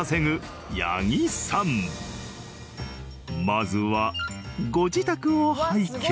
まずはご自宅を拝見。